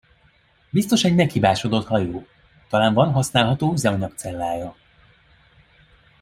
Biztos egy meghibásodott hajó, talán van használható üzemanyagcellája.